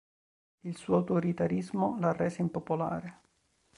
Il suo autoritarismo la rese impopolare.